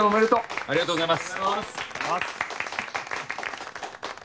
ありがとうございます。